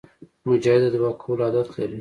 مجاهد د دعا کولو عادت لري.